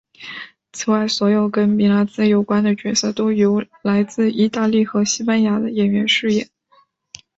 此外所有跟米拉兹有关的角色都是由来自义大利与西班牙的演员饰演。